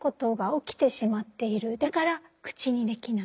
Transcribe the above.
だから口にできない。